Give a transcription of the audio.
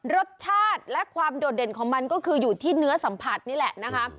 รสชาติและความโดดเด่นของมันก็คืออยู่ที่เนื้อสัมผัสนี่แหละนะคะ